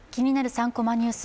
３コマニュース」